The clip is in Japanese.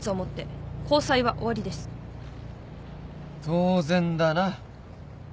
当然だな。